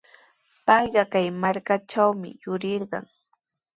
Payqa kay markatrawmi yurirqan.